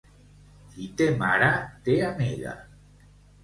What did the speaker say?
Qui té mare, té amiga.